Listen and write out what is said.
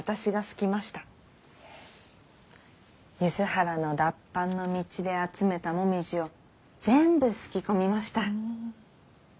梼原の脱藩の道で集めた紅葉を全部すき込みました。